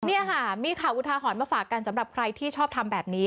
นี่ค่ะมีข่าวอุทาหรณ์มาฝากกันสำหรับใครที่ชอบทำแบบนี้